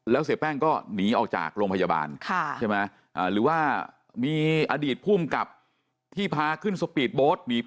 แล้วเสียแป้งก็หนีออกจากโรงพยาบาลใช่ไหม